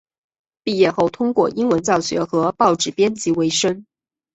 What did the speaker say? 毕业后通过英文教学和报纸编辑维生。